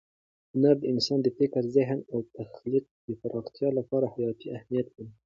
هنر د انسان د فکر، ذهن او تخلیق د پراختیا لپاره حیاتي اهمیت لري.